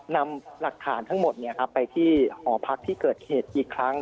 นำหลักฐานทั้งหมดไปที่หอพักที่เกิดเหตุอีกครั้ง